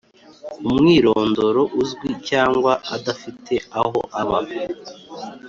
umwirondoro uzwi cyangwa adafite aho aba